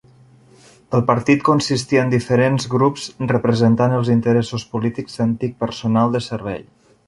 El partit consistia en diferents grups representant els interessos polítics d'antic personal de servei.